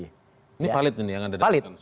ini valid ini yang anda dapatkan